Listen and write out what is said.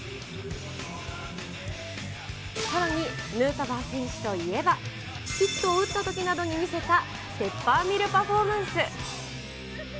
さらにヌートバー選手といえば、ヒットを打ったときなどに見せた、ペッパーミルパフォーマンス。